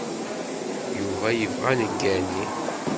Yuba yebɣa ad neggani.